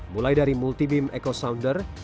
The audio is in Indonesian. mulai dari multi beam echo sounder